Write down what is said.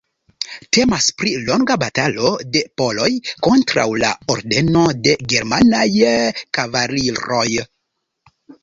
Temas pri longa batalo de poloj kontraŭ la Ordeno de germanaj kavaliroj.